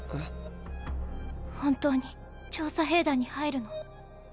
本当に調査兵団に入るの？